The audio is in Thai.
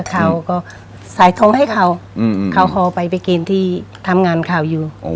เขาก็ใส่โทรให้เขาเขาห่อไปไปกินที่ทำงานเขาอยู่